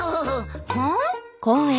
うん？